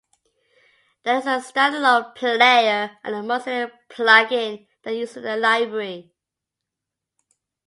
There is a standalone player and a Mozilla plugin that uses the library.